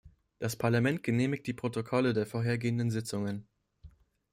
Das Parlament genehmigt die Protokolle der vorhergehenden Sitzungen.